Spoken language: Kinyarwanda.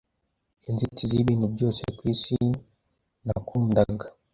Inzitizi yibintu byose ku isi nakundaga